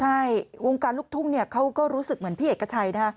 ใช่วงการลูกทุ่งเนี่ยเขาก็รู้สึกเหมือนพี่เอกชัยนะฮะ